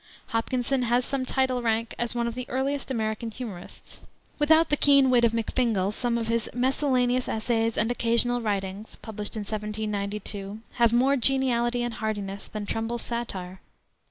Hopkinson has some title to rank as one of the earliest American humorists. Without the keen wit of McFingal some of his Miscellaneous Essays and Occasional Writings, published in 1792, have more geniality and heartiness than Trumbull's satire.